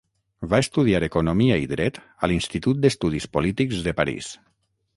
Va estudiar economia i dret a l'Institut d'estudis polítics de París.